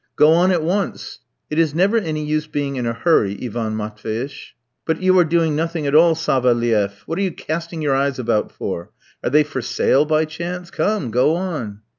"Go on at once." "It is never any use being in a hurry, Ivan Matveitch." "But you are doing nothing at all, Savelieff. What are you casting your eyes about for? Are they for sale, by chance? Come, go on."